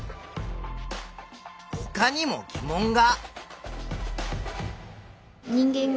ほかにも疑問が。